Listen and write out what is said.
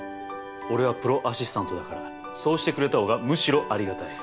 俺はプロアシスタントだからそうしてくれた方がむしろありがたい。